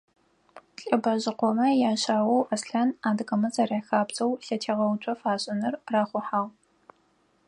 ЛӀыбэжъыкъомэ яшъаоу Аслъан, адыгэмэ зэряхабзэу, лъэтегъэуцо фашӏынэу рахъухьагъ.